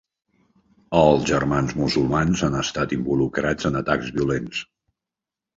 Els Germans Musulmans han estat involucrats en atacs violents.